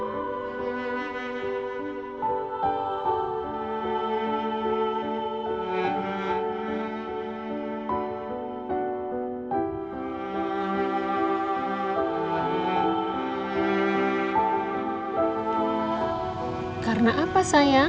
bisa geographic area ada masjid dari sana juga bang